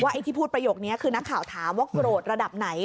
ไอ้ที่พูดประโยคนี้คือนักข่าวถามว่าโกรธระดับไหน